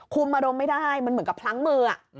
อารมณ์ไม่ได้มันเหมือนกับพลั้งมือ